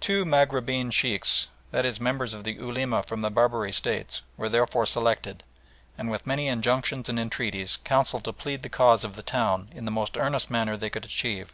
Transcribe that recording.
Two Maghribeen Sheikhs that is members of the Ulema from the Barbary States were therefore selected, and with many injunctions and entreaties counselled to plead the cause of the town in the most earnest manner they could achieve.